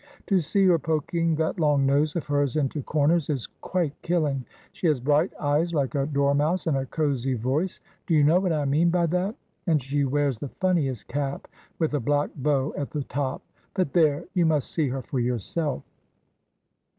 To see her poking that long nose of hers into corners is quite killing. She has bright eyes like a dormouse, and a cosy voice do you know what I mean by that? and she wears the funniest cap, with a black bow at the top. But there! you must see her for yourself."